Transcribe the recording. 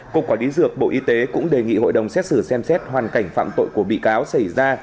cục quản lý dược bộ y tế cũng đề nghị hội đồng xét xử xem xét hoàn cảnh phạm tội của bị cáo xảy ra